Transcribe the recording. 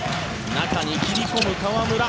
中に切り込む河村